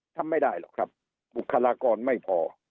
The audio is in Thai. ทำไม่ได้หรอกครับบุคลากรไม่พอ